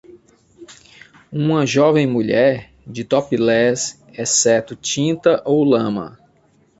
Uma jovem mulher? de topless, exceto tinta ou lama.